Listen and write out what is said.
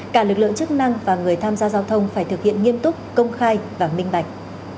cả lực lượng chức năng và người tham gia giao thông phải thực hiện nghiêm túc công khai và minh bạch